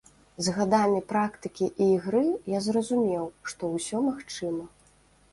З гадамі практыкі і ігры я зразумеў, што ўсё магчыма.